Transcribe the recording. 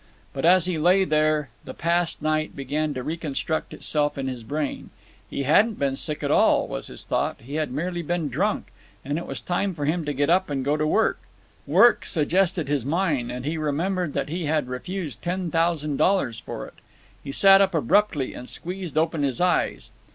But as he lay there, the past night began to reconstruct itself in his brain. He hadn't been sick at all, was his thought; he had merely been drunk, and it was time for him to get up and go to work. Work suggested his mine, and he remembered that he had refused ten thousand dollars for it. He sat up abruptly and squeezed open his eyes.